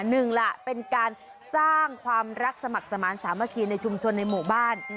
หนึ่งล่ะเป็นการสร้างความรักสมัครสมาธิสามัคคีในชุมชนในหมู่บ้าน